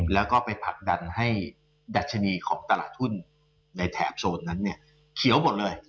แล้วก็ไปผลักดันให้ดัชนีของตลาดทุนในแถบโซนนั้นเนี่ยเขียวหมดเลย